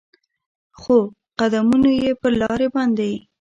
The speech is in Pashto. خو قدمونو یې پر لارې باندې